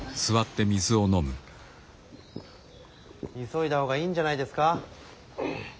急いだ方がいいんじゃないですか。